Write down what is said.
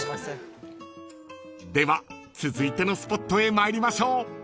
［では続いてのスポットへ参りましょう］